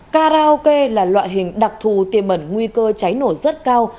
karaoke là loại hình đặc thù tiềm ẩn nguy cơ cháy nổ rất cao